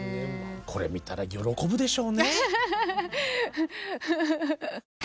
これ見たら喜ぶでしょうね。